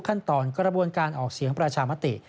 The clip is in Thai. ขั้นตอนกระบวนการออกเสียงประชามติ